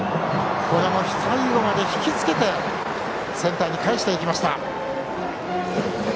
これも最後まで引き付けてセンターに返していきました。